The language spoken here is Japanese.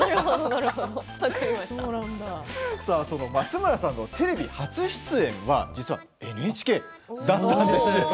松村さんのテレビ初出演実はＮＨＫだったんですよね。